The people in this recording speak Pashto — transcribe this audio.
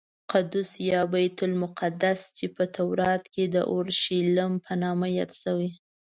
قدس یا بیت المقدس چې په تورات کې د اورشلیم په نامه یاد شوی.